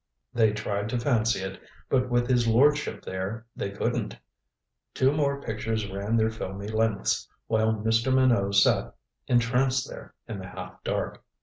They tried to fancy it, but with his lordship there, they couldn't. Two more pictures ran their filmy lengths, while Mr. Minot sat entranced there in the half dark.